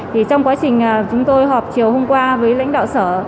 thì trong quá trình chúng tôi họp chiều hôm qua với lãnh đạo sở